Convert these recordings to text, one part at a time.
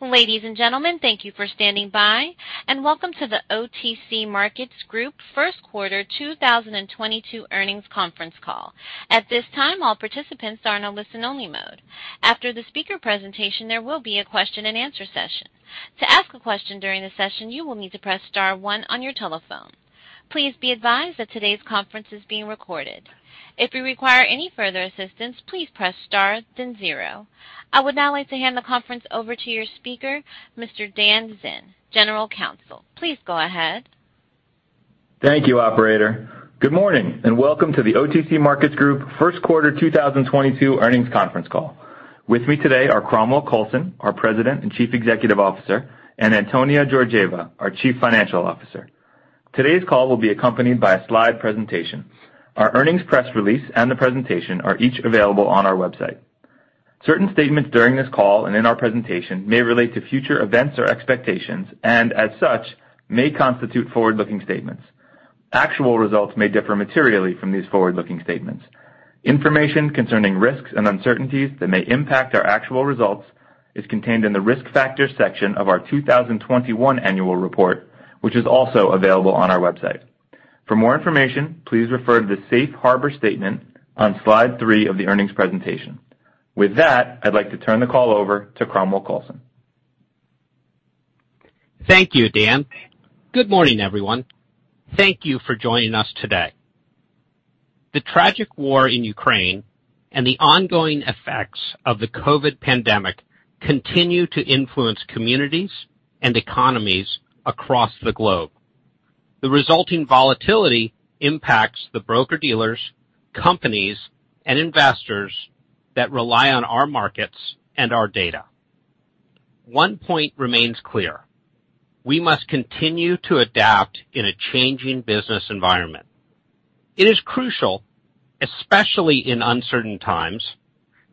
Ladies and gentlemen, thank you for standing by, and welcome to the OTC Markets Group first quarter 2022 earnings conference call. At this time, all participants are in a listen-only mode. After the speaker presentation, there will be a question-and-answer session. To ask a question during the session, you will need to press star one on your telephone. Please be advised that today's conference is being recorded. If you require any further assistance, please press star, then zero. I would now like to hand the conference over to your speaker, Mr. Dan Zinn, General Counsel. Please go ahead. Thank you, operator. Good morning, and welcome to the OTC Markets Group first quarter 2022 earnings conference call. With me today are Cromwell Coulson, our President and Chief Executive Officer, and Antonia Georgieva, our Chief Financial Officer. Today's call will be accompanied by a slide presentation. Our earnings press release and the presentation are each available on our website. Certain statements during this call and in our presentation may relate to future events or expectations and, as such, may constitute forward-looking statements. Actual results may differ materially from these forward-looking statements. Information concerning risks and uncertainties that may impact our actual results is contained in the Risk Factors section of our 2021 annual report, which is also available on our website. For more information, please refer to the safe harbor statement on slide three of the earnings presentation. With that, I'd like to turn the call over to Cromwell Coulson. Thank you, Dan. Good morning, everyone. Thank you for joining us today. The tragic war in Ukraine and the ongoing effects of the COVID pandemic continue to influence communities and economies across the globe. The resulting volatility impacts the broker-dealers, companies, and investors that rely on our markets and our data. One point remains clear. We must continue to adapt in a changing business environment. It is crucial, especially in uncertain times,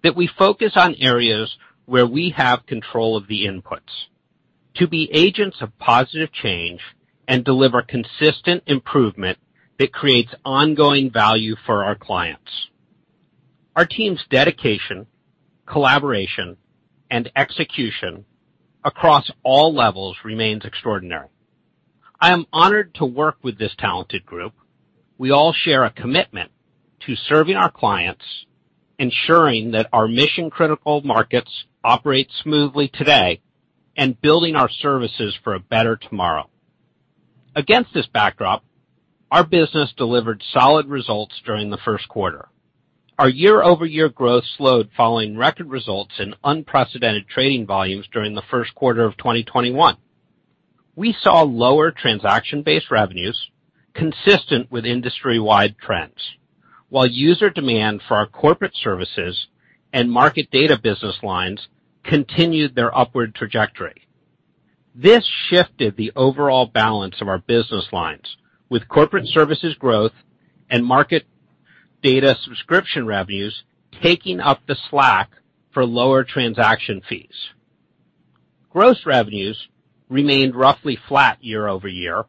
that we focus on areas where we have control of the inputs to be agents of positive change and deliver consistent improvement that creates ongoing value for our clients. Our team's dedication, collaboration, and execution across all levels remains extraordinary. I am honored to work with this talented group. We all share a commitment to serving our clients, ensuring that our mission-critical markets operate smoothly today, and building our services for a better tomorrow. Against this backdrop, our business delivered solid results during the first quarter. Our year-over-year growth slowed following record results in unprecedented trading volumes during the first quarter of 2021. We saw lower transaction-based revenues consistent with industry-wide trends, while user demand for our corporate services and market data business lines continued their upward trajectory. This shifted the overall balance of our business lines with corporate services growth and market data subscription revenues taking up the slack for lower transaction fees. Gross revenues remained roughly flat year-over-year,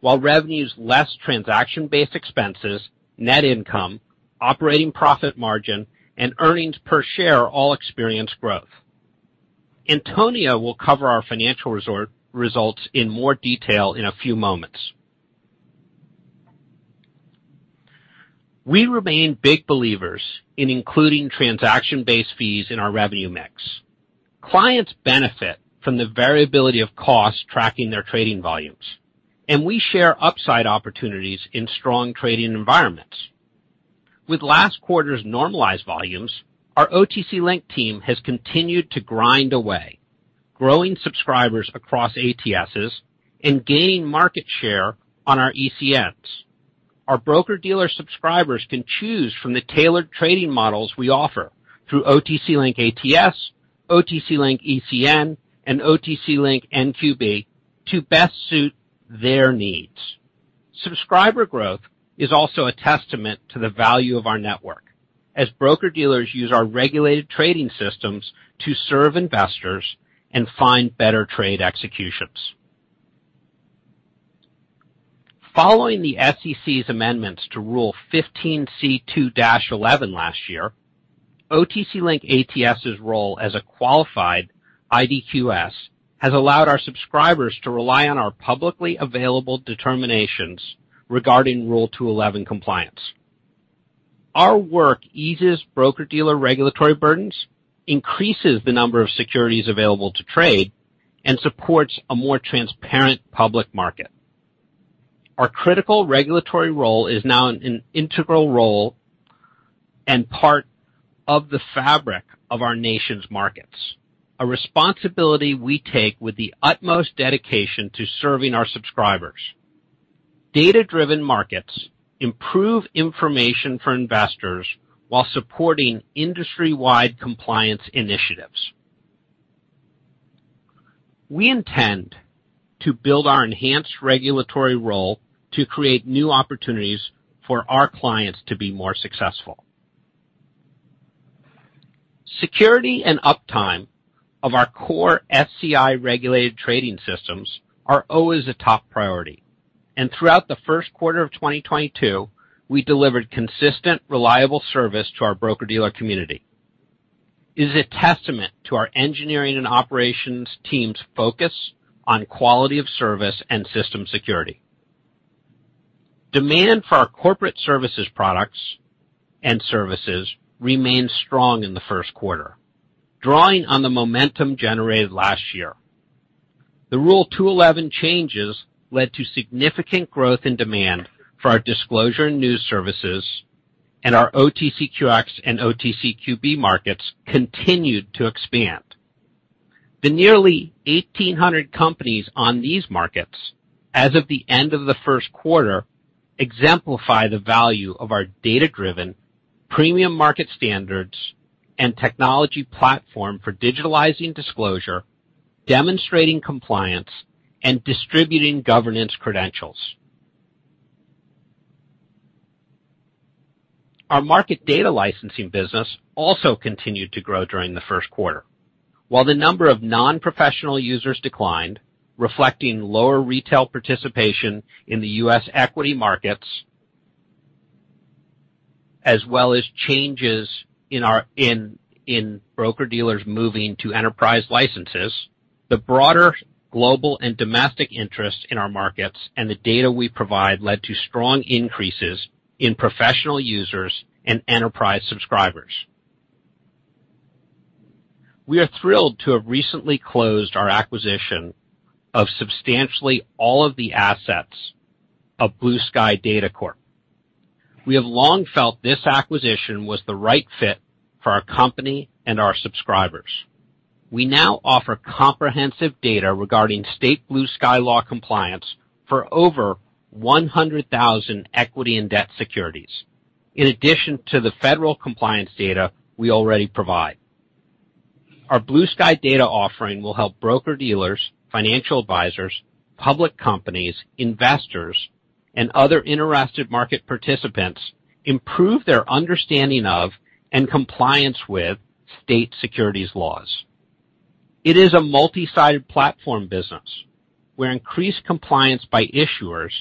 while revenues less transaction-based expenses, net income, operating profit margin, and earnings per share all experienced growth. Antonia will cover our financial results in more detail in a few moments. We remain big believers in including transaction-based fees in our revenue mix. Clients benefit from the variability of costs tracking their trading volumes, and we share upside opportunities in strong trading environments. With last quarter's normalized volumes, our OTC Link team has continued to grind away, growing subscribers across ATSs and gaining market share on our ECNs. Our broker-dealer subscribers can choose from the tailored trading models we offer through OTC Link ATS, OTC Link ECN, and OTC Link NQB to best suit their needs. Subscriber growth is also a testament to the value of our network, as broker-dealers use our regulated trading systems to serve investors and find better trade executions. Following the SEC's amendments to Rule 15c2-11 last year, OTC Link ATS' role as a qualified IDQS has allowed our subscribers to rely on our publicly available determinations regarding Rule 2-11 compliance. Our work eases broker-dealer regulatory burdens, increases the number of securities available to trade, and supports a more transparent public market. Our critical regulatory role is now an integral role and part of the fabric of our nation's markets, a responsibility we take with the utmost dedication to serving our subscribers. Data-driven markets improve information for investors while supporting industry-wide compliance initiatives. We intend to build our enhanced regulatory role to create new opportunities for our clients to be more successful. Security and uptime of our core SCI-regulated trading systems are always a top priority. Throughout the first quarter of 2022, we delivered consistent, reliable service to our broker-dealer community. It is a testament to our engineering and operations team's focus on quality of service and system security. Demand for our corporate services products and services remained strong in the first quarter, drawing on the momentum generated last year. The Rule 2-11 changes led to significant growth in demand for our disclosure and news services, and our OTCQX and OTCQB markets continued to expand. The nearly 1,800 companies on these markets as of the end of the first quarter exemplify the value of our data-driven premium market standards and technology platform for digitalizing disclosure, demonstrating compliance, and distributing governance credentials. Our market data licensing business also continued to grow during the first quarter. While the number of non-professional users declined, reflecting lower retail participation in the U.S. equity markets, as well as changes in our broker-dealers moving to enterprise licenses, the broader global and domestic interest in our markets and the data we provide led to strong increases in professional users and enterprise subscribers. We are thrilled to have recently closed our acquisition of substantially all of the assets of Blue Sky Data Corp. We have long felt this acquisition was the right fit for our company and our subscribers. We now offer comprehensive data regarding state Blue Sky law compliance for over 100,000 equity and debt securities, in addition to the federal compliance data we already provide. Our Blue Sky data offering will help broker-dealers, financial advisors, public companies, investors, and other interactive market participants improve their understanding of, and compliance with state securities laws. It is a multi-sided platform business where increased compliance by issuers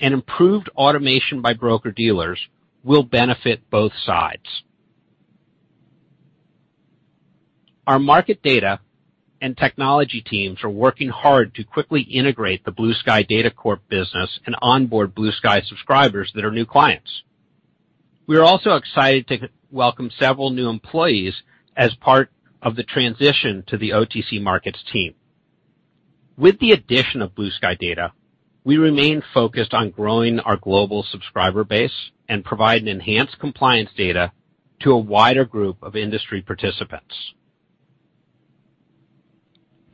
and improved automation by broker-dealers will benefit both sides. Our market data and technology teams are working hard to quickly integrate the Blue Sky Data Corp business and onboard Blue Sky subscribers that are new clients. We are also excited to welcome several new employees as part of the transition to the OTC Markets team. With the addition of Blue Sky Data, we remain focused on growing our global subscriber base and provide enhanced compliance data to a wider group of industry participants.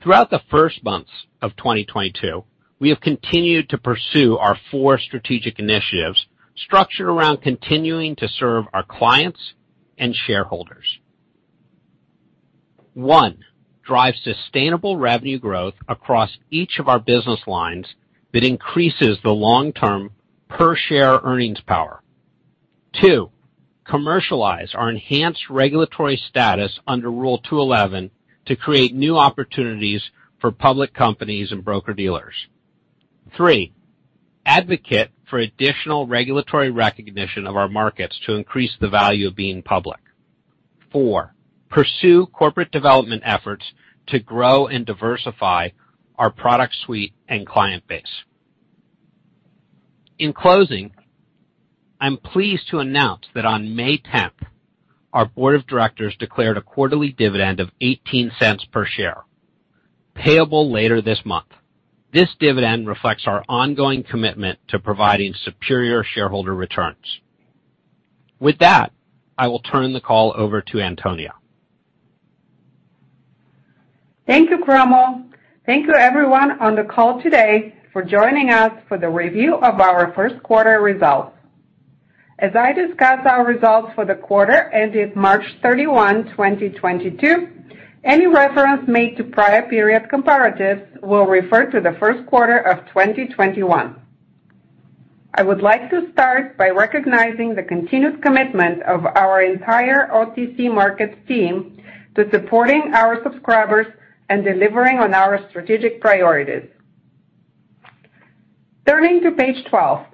Throughout the first months of 2022, we have continued to pursue our four strategic initiatives structured around continuing to serve our clients and shareholders. One, drive sustainable revenue growth across each of our business lines that increases the long-term per-share earnings power. Two, commercialize our enhanced regulatory status under Rule 2-11 to create new opportunities for public companies and broker-dealers. Three, advocate for additional regulatory recognition of our markets to increase the value of being public. Four, pursue corporate development efforts to grow and diversify our product suite and client base. In closing, I'm pleased to announce that on May 10th, our board of directors declared a quarterly dividend of $0.18 per share, payable later this month. This dividend reflects our ongoing commitment to providing superior shareholder returns. With that, I will turn the call over to Antonia. Thank you, Cromwell. Thank you everyone on the call today for joining us for the review of our first quarter results. As I discuss our results for the quarter ended March 31, 2022, any reference made to prior period comparatives will refer to the first quarter of 2021. I would like to start by recognizing the continued commitment of our entire OTC Markets team to supporting our subscribers and delivering on our strategic priorities. Turning to page 12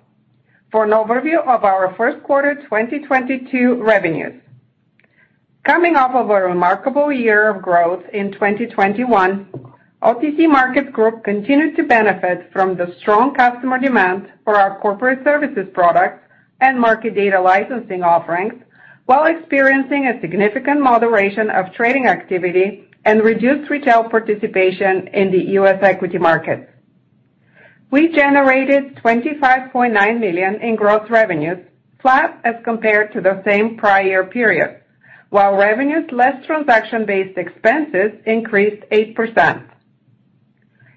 for an overview of our first quarter 2022 revenues. Coming off of a remarkable year of growth in 2021, OTC Markets Group continued to benefit from the strong customer demand for our corporate services products and market data licensing offerings while experiencing a significant moderation of trading activity and reduced retail participation in the U.S. equity markets. We generated $25.9 million in gross revenues, flat as compared to the same prior period, while revenues less transaction-based expenses increased 8%.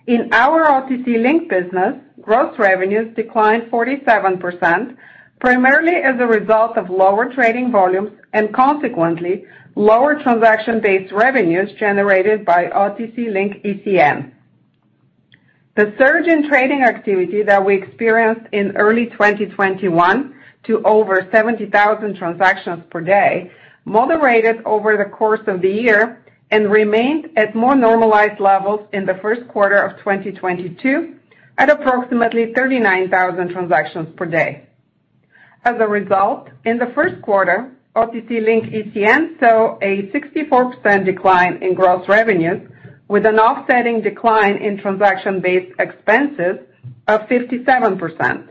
In our OTC Link business, gross revenues declined 47%, primarily as a result of lower trading volumes and consequently lower transaction-based revenues generated by OTC Link ECN. The surge in trading activity that we experienced in early 2021 to over 70,000 transactions per day, moderated over the course of the year and remained at more normalized levels in the first quarter of 2022 at approximately 39,000 transactions per day. As a result, in the first quarter, OTC Link ECN saw a 64% decline in gross revenues with an offsetting decline in transaction-based expenses of 57%.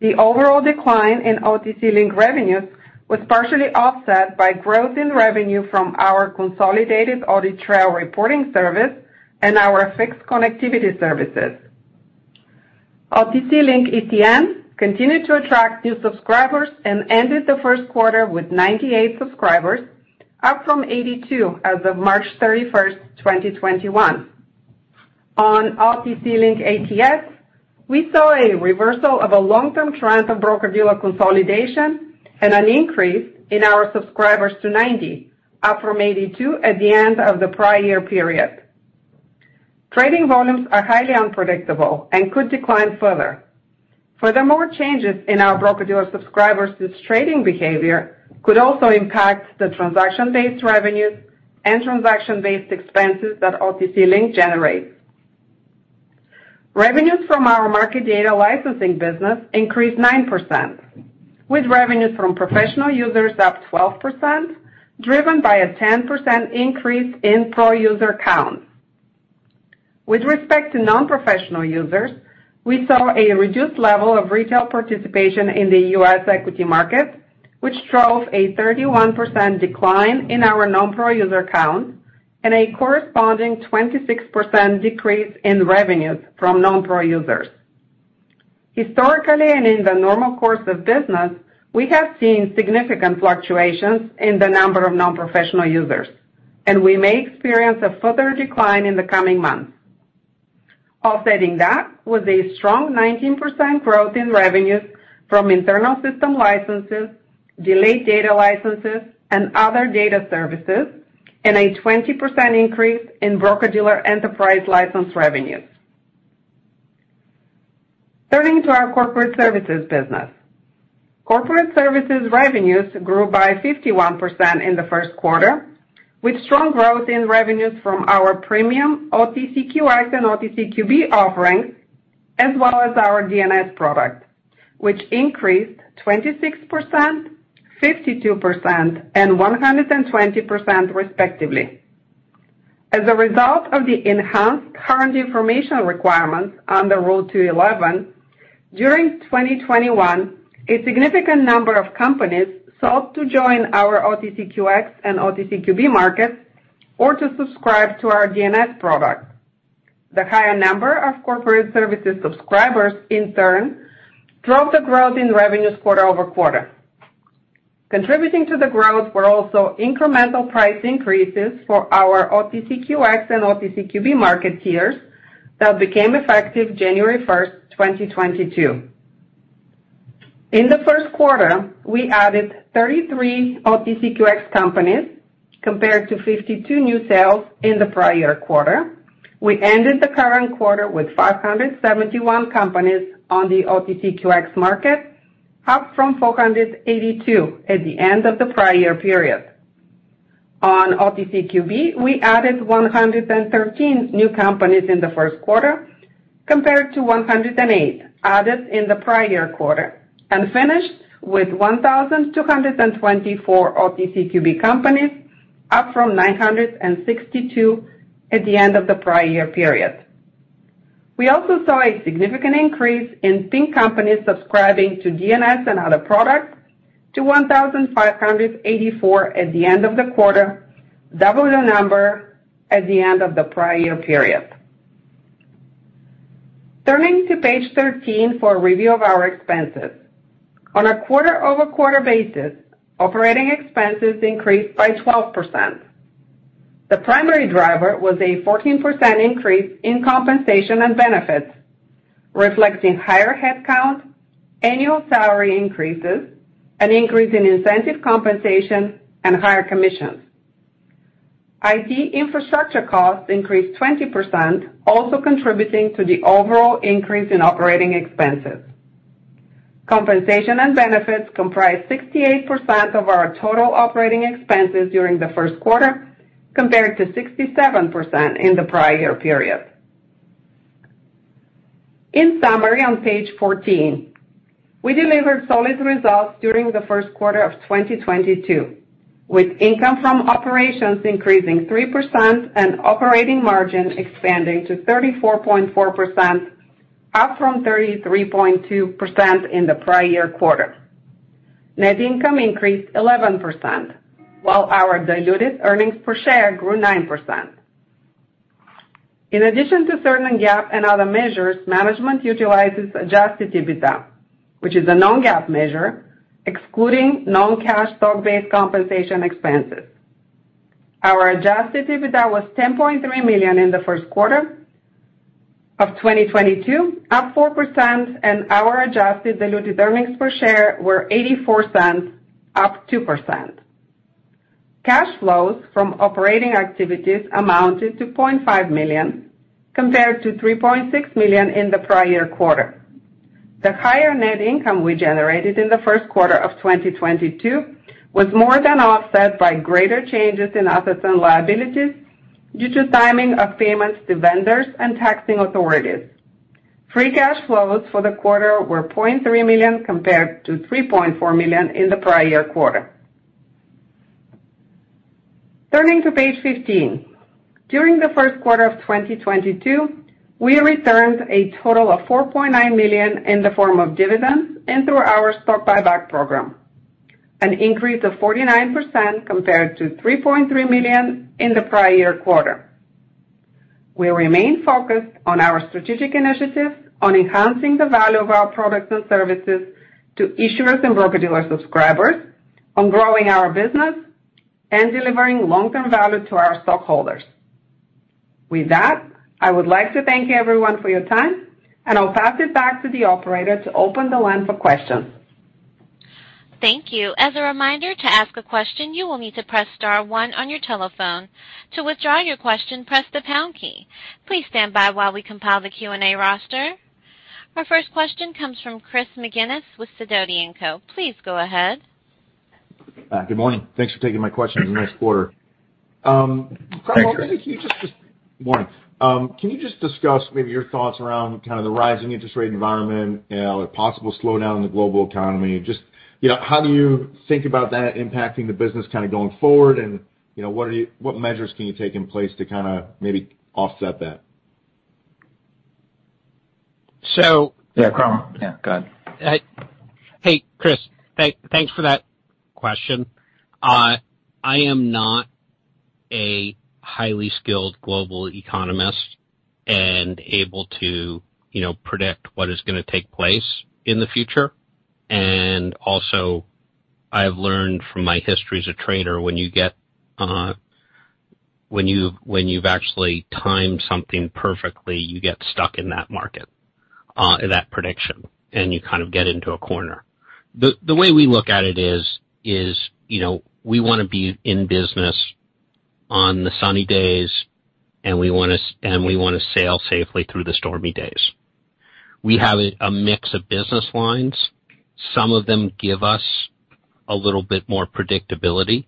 The overall decline in OTC Link revenues was partially offset by growth in revenue from our Consolidated Audit Trail reporting service and our fixed connectivity services. OTC Link ECN continued to attract new subscribers and ended the first quarter with 98 subscribers, up from 82 subscribers as of March 31st, 2021. On OTC Link ATS, we saw a reversal of a long-term trend of broker-dealer consolidation and an increase in our subscribers to 90 subscribers, up from 82 subscribers at the end of the prior year period. Trading volumes are highly unpredictable and could decline further. Furthermore, changes in our broker-dealer subscribers' trading behavior could also impact the transaction-based revenues and transaction-based expenses that OTC Link generates. Revenues from our market data licensing business increased 9%, with revenues from professional users up 12%, driven by a 10% increase in pro user count. With respect to non-professional users, we saw a reduced level of retail participation in the U.S. equity market, which drove a 31% decline in our non-pro user count and a corresponding 26% decrease in revenues from non-pro users. Historically, and in the normal course of business, we have seen significant fluctuations in the number of non-professional users, and we may experience a further decline in the coming months. Offsetting that was a strong 19% growth in revenues from internal system licenses, delayed data licenses, and other data services, and a 20% increase in broker-dealer enterprise license revenues. Turning to our corporate services business. Corporate services revenues grew by 51% in the first quarter, with strong growth in revenues from our premium OTCQX and OTCQB offerings, as well as our DNS product, which increased 26%, 52%, and 120% respectively. As a result of the enhanced current information requirements under Rule 2-11, during 2021, a significant number of companies sought to join our OTCQX and OTCQB markets or to subscribe to our DNS product. The higher number of corporate services subscribers in turn drove the growth in revenues quarter over quarter. Contributing to the growth were also incremental price increases for our OTCQX and OTCQB market tiers that became effective January 1st, 2022. In the first quarter, we added 33 OTCQX companies compared to 52 new sales in the prior quarter. We ended the current quarter with 571 companies on the OTCQX market, up from 482 companies at the end of the prior year period. On OTCQB, we added 113 new companies in the first quarter compared to 108 new companies added in the prior quarter, and finished with 1,224 OTCQB companies, up from 962 OTCQB companies at the end of the prior year period. We also saw a significant increase in Pink companies subscribing to DNS and other products to 1,584 at the end of the quarter, double the number at the end of the prior year period. Turning to page 13 for a review of our expenses. On a quarter-over-quarter basis, operating expenses increased by 12%. The primary driver was a 14% increase in compensation and benefits, reflecting higher headcount, annual salary increases, an increase in incentive compensation, and higher commissions. IT infrastructure costs increased 20%, also contributing to the overall increase in operating expenses. Compensation and benefits comprised 68% of our total operating expenses during the first quarter, compared to 67% in the prior year period. In summary, on page 14, we delivered solid results during the first quarter of 2022, with income from operations increasing 3% and operating margin expanding to 34.4%, up from 33.2% in the prior year quarter. Net income increased 11%, while our diluted earnings per share grew 9%. In addition to certain GAAP and other measures, management utilizes adjusted EBITDA, which is a non-GAAP measure excluding non-cash stock-based compensation expenses. Our adjusted EBITDA was $10.3 million in the first quarter of 2022, up 4%, and our adjusted diluted earnings per share were $0.84, up 2%. Cash flows from operating activities amounted to $0.5 million compared to $3.6 million in the prior quarter. The higher net income we generated in the first quarter of 2022 was more than offset by greater changes in assets and liabilities due to timing of payments to vendors and taxing authorities. Free cash flows for the quarter were $0.3 million compared to $3.4 million in the prior year quarter. Turning to page 15. During the first quarter of 2022, we returned a total of $4.9 million in the form of dividends and through our stock buyback program, an increase of 49% compared to $3.3 million in the prior year quarter. We remain focused on our strategic initiatives on enhancing the value of our products and services to issuers and broker-dealer subscribers, on growing our business and delivering long-term value to our stockholders. With that, I would like to thank everyone for your time, and I'll pass it back to the operator to open the line for questions. Thank you. As a reminder, to ask a question, you will need to press star one on your telephone. To withdraw your question, press the pound key. Please stand by while we compile the Q&A roster. Our first question comes from Chris McGinnis with Sidoti & Co. Please go ahead. Good morning. Thanks for taking my question. Nice quarter. Thank you. Good morning. Can you just discuss maybe your thoughts around kind of the rising interest rate environment and a possible slowdown in the global economy? Just, you know, how do you think about that impacting the business kinda going forward and, you know, what measures can you take in place to kinda maybe offset that? Yeah, Cromwell. Yeah, go ahead. Hey, Chris. Thanks for that question. I am not a highly skilled global economist and able to, you know, predict what is gonna take place in the future. Also, I have learned from my history as a trader, when you've actually timed something perfectly, you get stuck in that market, in that prediction, and you kind of get into a corner. The way we look at it is, you know, we wanna be in business on the sunny days, and we wanna sail safely through the stormy days. We have a mix of business lines. Some of them give us a little bit more predictability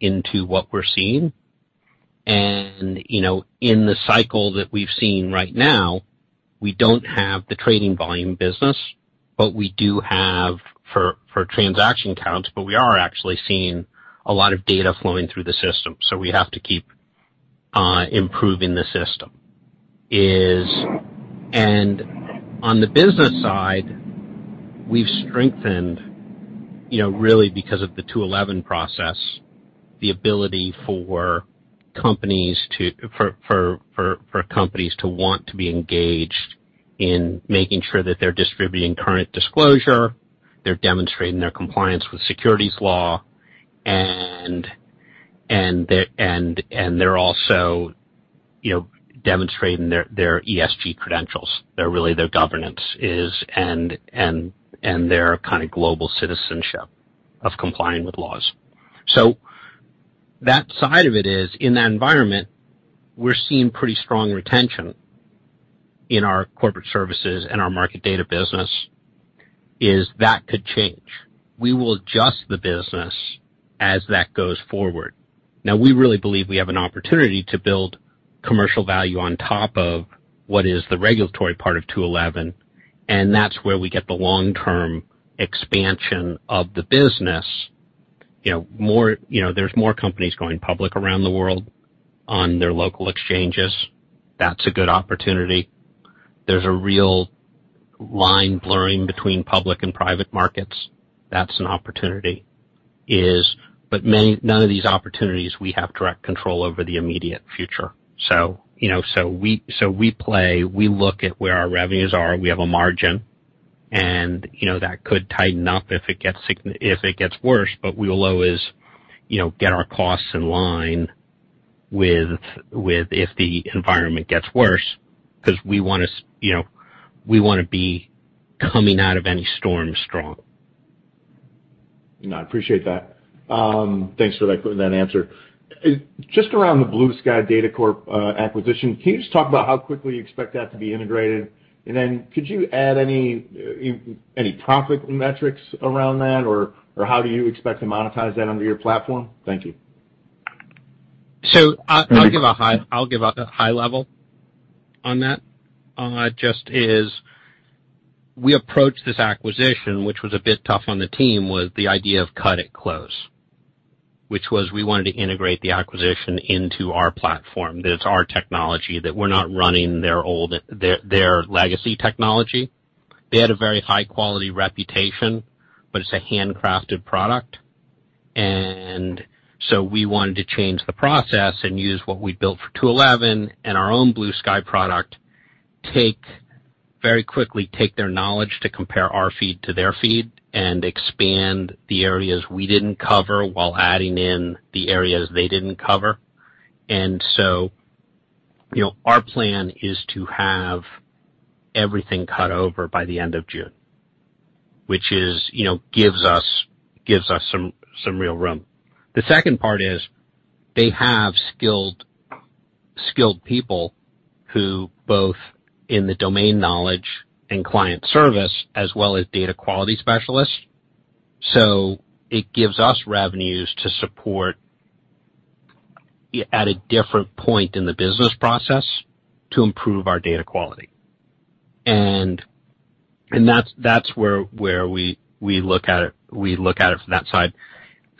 into what we're seeing. You know, in the cycle that we've seen right now, we don't have the trading volume business, but we do have for transaction counts, but we are actually seeing a lot of data flowing through the system, so we have to keep improving the system. On the business side, we've strengthened, you know, really because of the 2-11 process, the ability for companies to want to be engaged in making sure that they're distributing current disclosure, they're demonstrating their compliance with securities law, and they're also, you know, demonstrating their ESG credentials. They're really their governance and their kind of global citizenship of complying with laws. That side of it is, in that environment, we're seeing pretty strong retention in our corporate services and our market data business, and that could change. We will adjust the business as that goes forward. Now, we really believe we have an opportunity to build commercial value on top of what is the regulatory part of 2-11, and that's where we get the long-term expansion of the business. You know, there's more companies going public around the world on their local exchanges. That's a good opportunity. There's a real line blurring between public and private markets. That's an opportunity. None of these opportunities we have direct control over the immediate future. You know, so we play, we look at where our revenues are. We have a margin. You know, that could tighten up if it gets worse, but we will always, you know, get our costs in line with if the environment gets worse because you know, we wanna be coming out of any storm strong. No, I appreciate that. Thanks for that answer. Just around the Blue Sky Data Corp acquisition, can you just talk about how quickly you expect that to be integrated? Could you add any profit metrics around that, or how do you expect to monetize that under your platform? Thank you. I'll give a high level on that. Just as we approach this acquisition, which was a bit tough on the team, the idea of cut it close was we wanted to integrate the acquisition into our platform, that it's our technology, that we're not running their legacy technology. They had a very high-quality reputation, but it's a handcrafted product. We wanted to change the process and use what we built for 2-11 and our own Blue Sky product, very quickly take their knowledge to compare our feed to their feed and expand the areas we didn't cover while adding in the areas they didn't cover. You know, our plan is to have everything cut over by the end of June. Which gives us some real room. The second part is they have skilled people who both in the domain knowledge and client service as well as data quality specialists. It gives us revenues to support at a different point in the business process to improve our data quality. That's where we look at it from that side.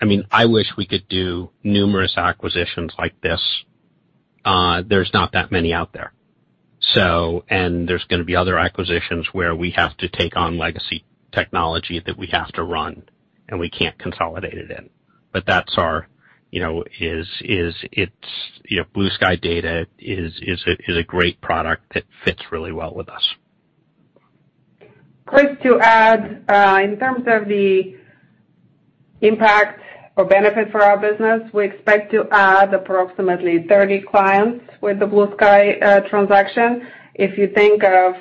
I mean, I wish we could do numerous acquisitions like this. There's not that many out there. There's gonna be other acquisitions where we have to take on legacy technology that we have to run, and we can't consolidate it in. That's our, you know, it's. You know, Blue Sky Data is a great product that fits really well with us. Chris, to add, in terms of the impact or benefit for our business, we expect to add approximately 30 clients with the Blue Sky transaction. If you think of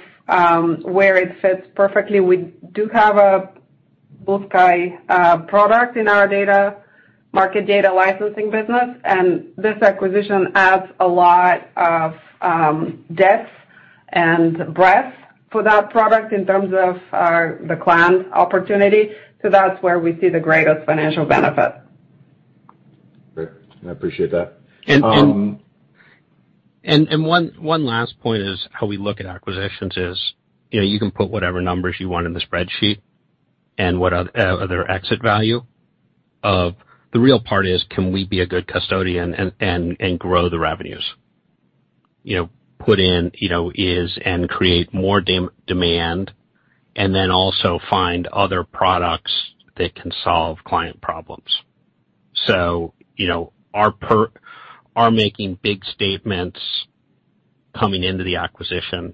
where it fits perfectly, we do have a Blue Sky product in our data market data licensing business, and this acquisition adds a lot of depth and breadth for that product in terms of the client opportunity. That's where we see the greatest financial benefit. Great. I appreciate that. One last point is how we look at acquisitions. You know, you can put whatever numbers you want in the spreadsheet and what their exit value of. The real part is can we be a good custodian and grow the revenues? You know, put in and create more demand, and then also find other products that can solve client problems. Our making big statements coming into the acquisition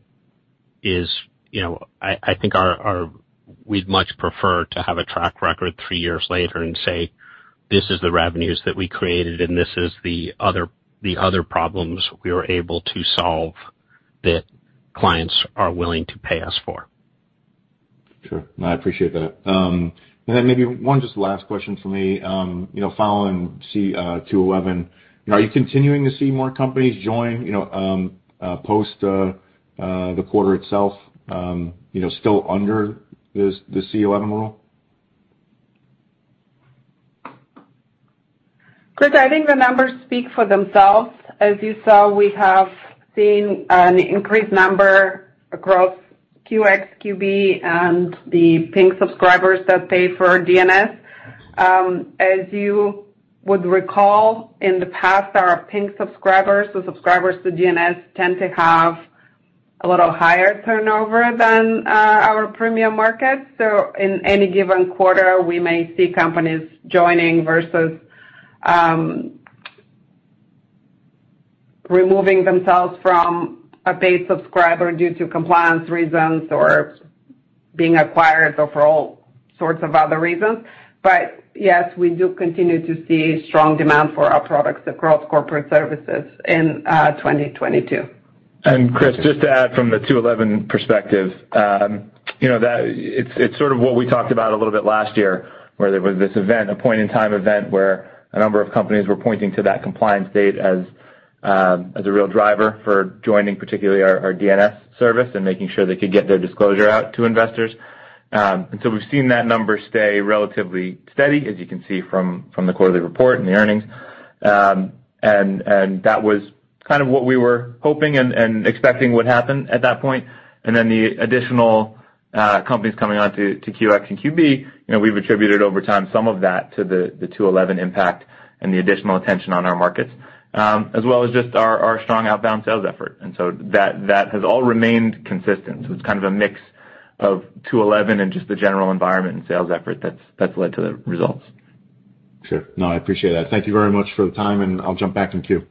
is, you know, I think we'd much prefer to have a track record three years later and say, "This is the revenues that we created, and this is the other problems we were able to solve that clients are willing to pay us for. Sure. No, I appreciate that. Maybe one just last question from me. You know, following c2-11, are you continuing to see more companies join post the quarter itself, you know, still under the c2-11 rule? Chris, I think the numbers speak for themselves. As you saw, we have seen an increased number across QX, QB, and the Pink subscribers that pay for DNS. As you would recall, in the past, our Pink subscribers or subscribers to DNS tend to have a little higher turnover than our premium markets. In any given quarter, we may see companies joining versus removing themselves from a paid subscriber due to compliance reasons or being acquired or for all sorts of other reasons. Yes, we do continue to see strong demand for our products across corporate services in 2022. Chris, just to add from the 2-11 perspective, you know, that it's sort of what we talked about a little bit last year, where there was this event, a point-in-time event, where a number of companies were pointing to that compliance date as a real driver for joining particularly our DNS service and making sure they could get their disclosure out to investors. We've seen that number stay relatively steady, as you can see from the quarterly report and the earnings. That was kind of what we were hoping and expecting would happen at that point. The additional companies coming on to QX and QB, you know, we've attributed over time some of that to the 2-11 impact and the additional attention on our markets, as well as just our strong outbound sales effort. That has all remained consistent. It's kind of a mix of 2-11 and just the general environment and sales effort that's led to the results. Sure. No, I appreciate that. Thank you very much for the time, and I'll jump back in queue.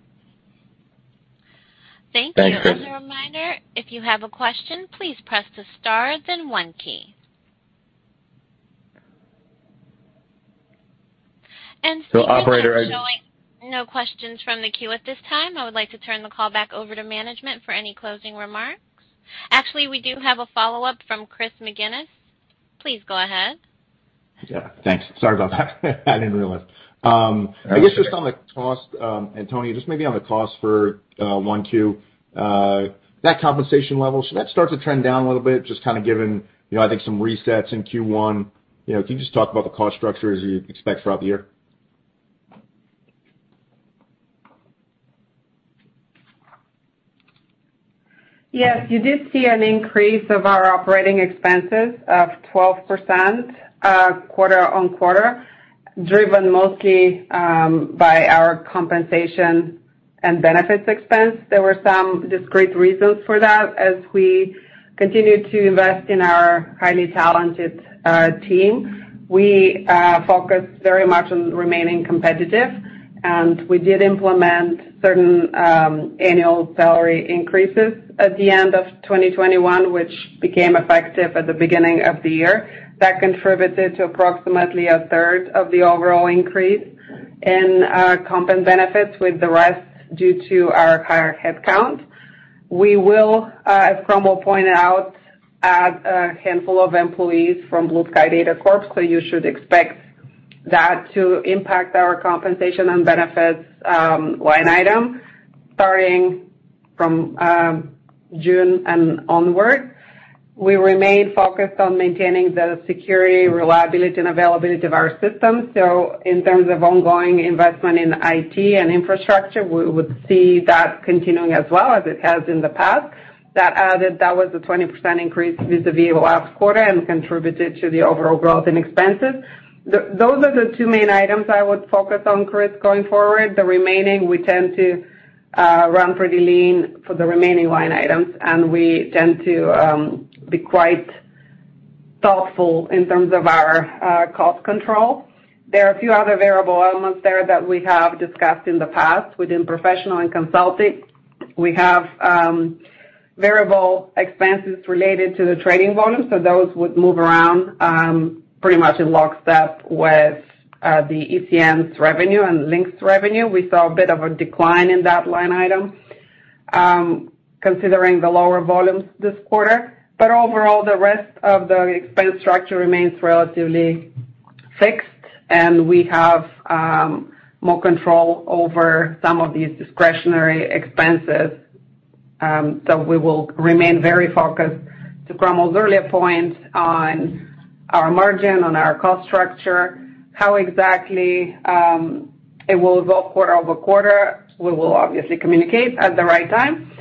Thanks, Chris. Thank you. As a reminder, if you have a question, please press the star then one key. Seeing none. Operator- No questions from the queue at this time. I would like to turn the call back over to management for any closing remarks. Actually, we do have a follow-up from Chris McGinnis. Please go ahead. Yeah, thanks. Sorry about that. I didn't realize. I guess just on the cost, Antonia, just maybe on the cost for 1Q, that compensation level. That starts to trend down a little bit, just kinda given, you know, I think some resets in Q1. You know, can you just talk about the cost structure as you expect throughout the year? Yes. You did see an increase of our operating expenses of 12%, quarter-over-quarter, driven mostly by our compensation and benefits expense. There were some discrete reasons for that. As we continue to invest in our highly talented team, we focus very much on remaining competitive, and we did implement certain annual salary increases at the end of 2021, which became effective at the beginning of the year. That contributed to approximately 1/3 of the overall increase in our comp and benefits, with the rest due to our higher headcount. We will, as Cromwell pointed out, add a handful of employees from Blue Sky Data Corp. So you should expect that to impact our compensation and benefits line item starting from June and onwards. We remain focused on maintaining the security, reliability, and availability of our systems. In terms of ongoing investment in IT and infrastructure, we would see that continuing as well as it has in the past. That was a 20% increase vis-à-vis last quarter and contributed to the overall growth in expenses. Those are the two main items I would focus on, Chris, going forward. The remaining, we tend to run pretty lean for the remaining line items, and we tend to be quite thoughtful in terms of our cost control. There are a few other variable elements there that we have discussed in the past within professional and consulting. We have variable expenses related to the trading volumes. Those would move around pretty much in lockstep with the ECN revenue and Link's revenue. We saw a bit of a decline in that line item considering the lower volumes this quarter. Overall, the rest of the expense structure remains relatively fixed, and we have more control over some of these discretionary expenses. We will remain very focused, to Cromwell's earlier point, on our margin, on our cost structure. How exactly it will evolve quarter-over-quarter, we will obviously communicate at the right time.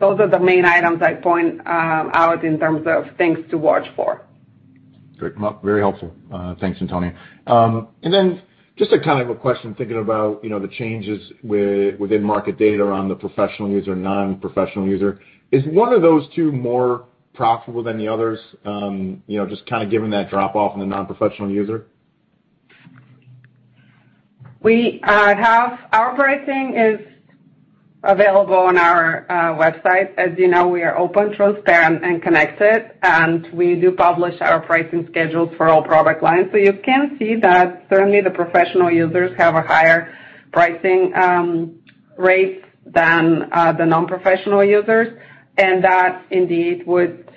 Those are the main items I point out in terms of things to watch for. Great. Well, very helpful. Thanks, Antonia. Just a kind of a question, thinking about, you know, the changes within market data around the professional user, non-professional user. Is one of those two more profitable than the others, you know, just kinda given that drop off in the non-professional user? Our pricing is available on our website. As you know, we are open, transparent, and connected, and we do publish our pricing schedules for all product lines. You can see that certainly the professional users have a higher pricing rates than the non-professional users, and that indeed would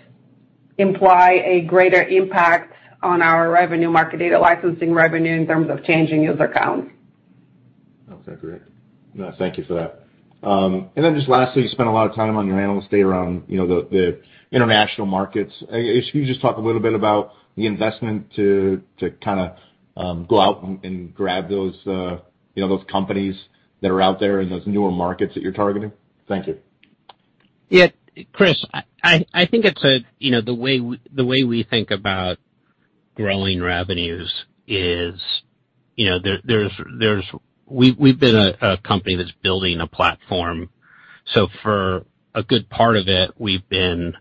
imply a greater impact on our revenue, market data licensing revenue in terms of changing user counts. Okay, great. No, thank you for that. Just lastly, you spent a lot of time on your analyst day around, you know, the international markets. If you could just talk a little bit about the investment to kinda go out and grab those, you know, those companies that are out there in those newer markets that you're targeting. Thank you. Yeah. Chris, I think it's. You know, the way we think about growing revenues is, you know, there's. We've been a company that's building a platform. So for a good part of it, we've been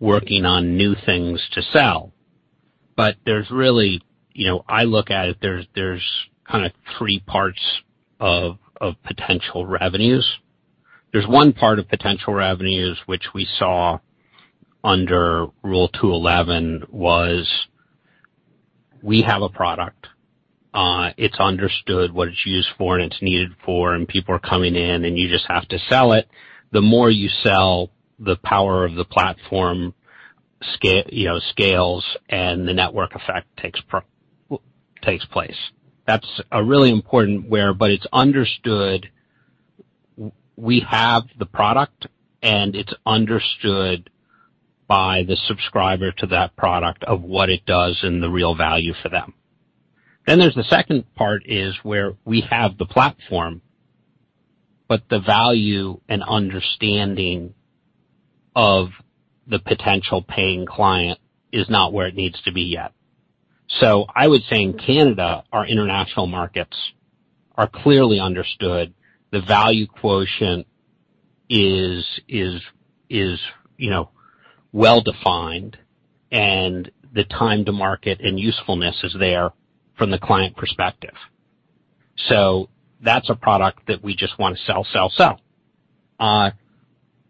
working on new things to sell. There's really, you know, I look at it, there's kinda three parts of potential revenues. There's one part of potential revenues, which we saw under Rule 2-11 was. We have a product. It's understood what it's used for and it's needed for, and people are coming in, and you just have to sell it. The more you sell, the power of the platform, you know, scales and the network effect takes place. That's a really important point, but it's understood we have the product, and it's understood by the subscriber to that product of what it does and the real value for them. There's the second part is where we have the platform, but the value and understanding of the potential paying client is not where it needs to be yet. I would say in Canada, our international markets are clearly understood. The value proposition is, you know, well-defined, and the time to market and usefulness is there from the client perspective. That's a product that we just wanna sell, sell.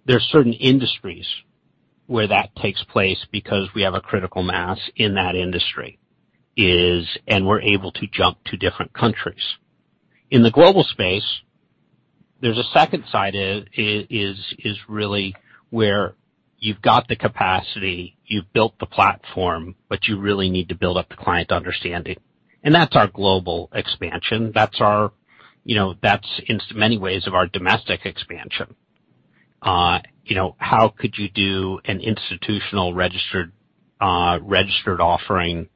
There are certain industries where that takes place because we have a critical mass in that industry and we're able to jump to different countries. In the global space, there's a second side is really where you've got the capacity, you've built the platform, but you really need to build up the client understanding. That's our global expansion. You know, that's in so many ways of our domestic expansion. You know, how could you do an institutional registered offering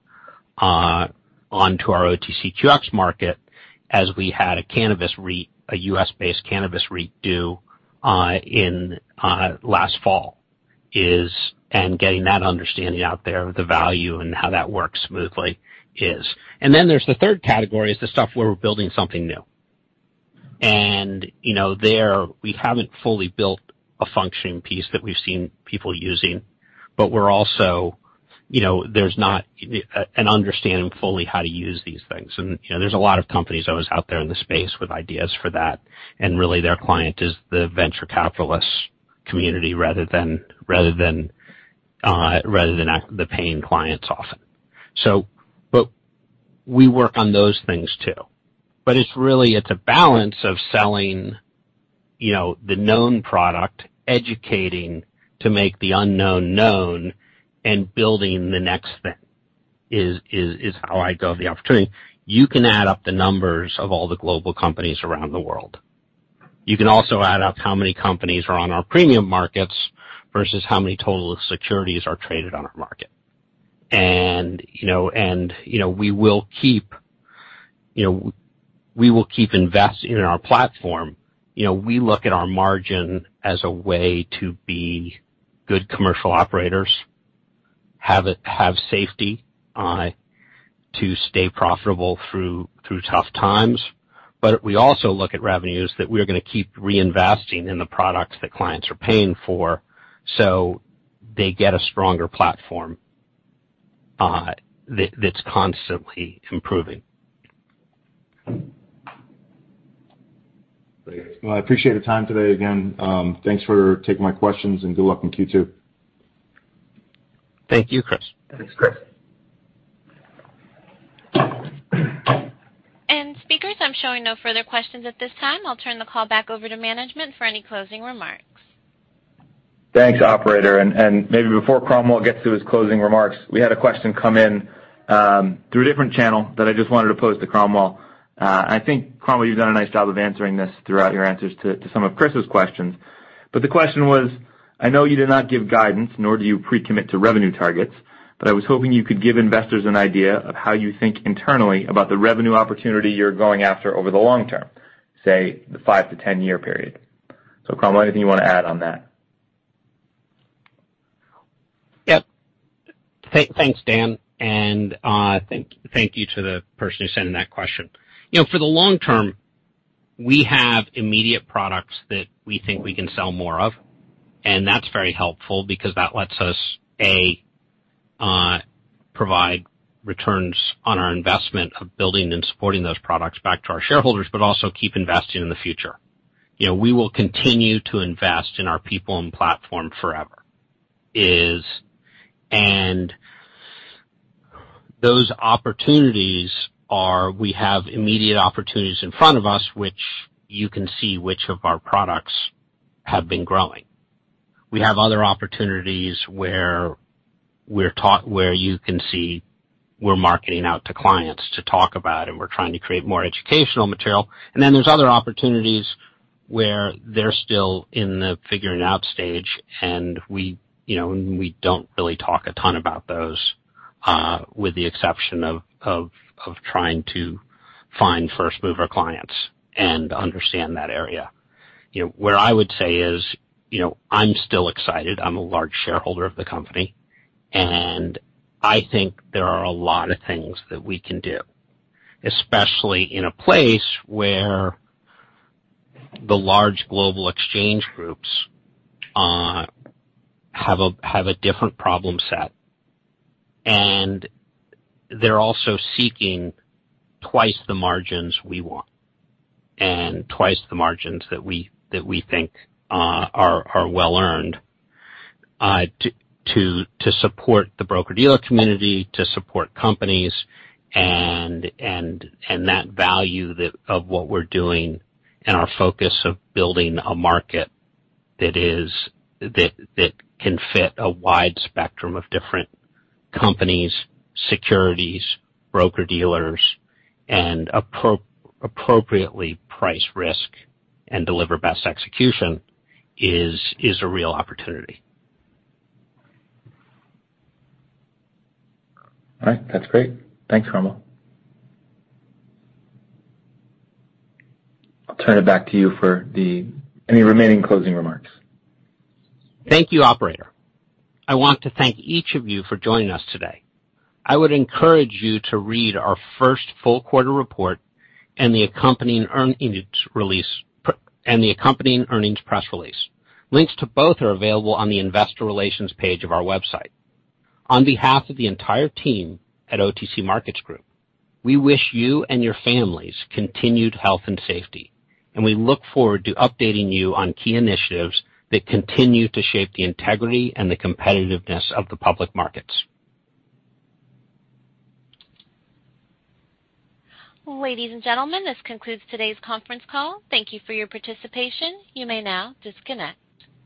onto our OTCQX market as we had a cannabis REIT, a U.S.-based cannabis REIT due in last fall, and getting that understanding out there, the value and how that works smoothly is. Then there's the third category is the stuff where we're building something new. You know, there, we haven't fully built a functioning piece that we've seen people using, but we're also, you know, there's not an understanding fully how to use these things. You know, there's a lot of companies always out there in the space with ideas for that, and really their client is the venture capitalist community rather than the paying clients often. We work on those things too, but it's really a balance of selling, you know, the known product, educating to make the unknown known, and building the next thing is how I see the opportunity. You can add up the numbers of all the global companies around the world. You can also add up how many companies are on our premium markets versus how many total securities are traded on our market. You know, we will keep investing in our platform. You know, we look at our margin as a way to be good commercial operators, have safety to stay profitable through tough times. We also look at revenues that we're gonna keep reinvesting in the products that clients are paying for, so they get a stronger platform, that's constantly improving. Great. Well, I appreciate the time today again. Thanks for taking my questions, and good luck in Q2. Thank you, Chris. Thanks, Chris. Speakers, I'm showing no further questions at this time. I'll turn the call back over to management for any closing remarks. Thanks, operator. Maybe before Cromwell gets to his closing remarks, we had a question come in through a different channel that I just wanted to pose to Cromwell. I think, Cromwell, you've done a nice job of answering this throughout your answers to some of Chris's questions. The question was, I know you did not give guidance, nor do you pre-commit to revenue targets, but I was hoping you could give investors an idea of how you think internally about the revenue opportunity you're going after over the long term, say, the 5-10 year period. Cromwell, anything you wanna add on that? Yep. Thanks, Dan, and thank you to the person who sent in that question. You know, for the long term, we have immediate products that we think we can sell more of, and that's very helpful because that lets us provide returns on our investment of building and supporting those products back to our shareholders but also keep investing in the future. You know, we will continue to invest in our people and platform forever. Those opportunities are we have immediate opportunities in front of us, which you can see which of our products have been growing. We have other opportunities where you can see we're marketing out to clients to talk about, and we're trying to create more educational material. Then there's other opportunities where they're still in the figuring out stage, and we, you know, don't really talk a ton about those, with the exception of trying to find first mover clients and understand that area. You know, what I would say is, you know, I'm still excited. I'm a large shareholder of the company, and I think there are a lot of things that we can do, especially in a place where the large global exchange groups have a different problem set. They're also seeking twice the margins we want and twice the margins that we think are well earned to support the broker-dealer community, to support companies and that value of what we're doing and our focus of building a market that can fit a wide spectrum of different companies, securities, broker-dealers and appropriately price risk and deliver best execution is a real opportunity. All right. That's great. Thanks, Cromwell. I'll turn it back to you for any remaining closing remarks. Thank you, operator. I want to thank each of you for joining us today. I would encourage you to read our first full quarter report and the accompanying earnings press release. Links to both are available on the investor relations page of our website. On behalf of the entire team at OTC Markets Group, we wish you and your families continued health and safety, and we look forward to updating you on key initiatives that continue to shape the integrity and the competitiveness of the public markets. Ladies and gentlemen, this concludes today's conference call. Thank you for your participation. You may now disconnect.